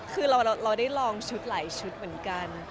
คือเราได้ลองชุดหลายชุดเหมือนกัน